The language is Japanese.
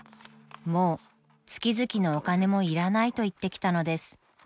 もう月々のお金もいらないと言ってきたのです］